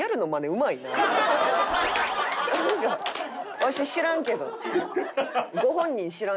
わし知らんけど。